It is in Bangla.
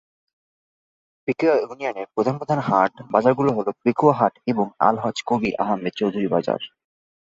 পেকুয়া ইউনিয়নের প্রধান প্রধান হাট/বাজারগুলো হল পেকুয়া হাট এবং আলহাজ্ব কবির আহমদ চৌধুরী বাজার।